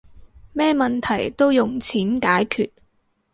咩問題都用錢解決